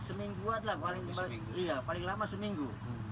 semingguan lah paling lama seminggu